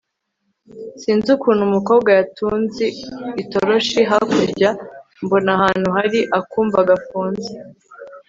sinzi ukuntu umukobwa yatunzi itoroshi kakurya mbona ahantu hari akumba gafunze